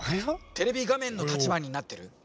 テレビがめんの立場になってる？